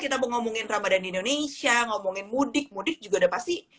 kalau kita ngomongin ramadhan di indonesia ngomongin mudik mudik juga ada pasti